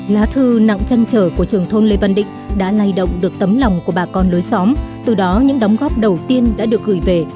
lá thư nặng trăn trở của trường thôn lê văn định đã lay động được tấm lòng của bà con lối xóm từ đó những đóng góp đầu tiên đã được gửi về